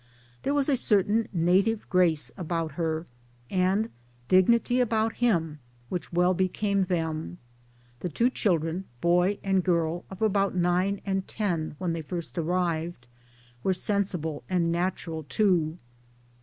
There was a certain native grace about her, and dignity about him, which well became them. The two children, 'boy and girl of about nine and ten when they first arrived, were sensible and natural too.